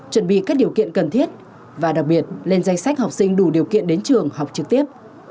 chuẩn bị các điều kiện cần thiết và đặc biệt lên danh sách học sinh đủ điều kiện đến trường học trực tiếp